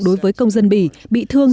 đối với công dân bỉ bị thương